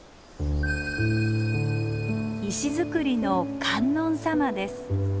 石造りの観音様です。